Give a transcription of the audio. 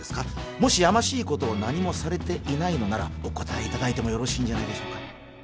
もしやましいことを何もされていないのならお答えいただいてもよろしいんじゃないでしょうか？